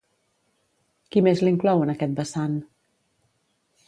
Qui més l'inclou en aquest vessant?